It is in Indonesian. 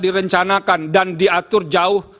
direncanakan dan diatur jauh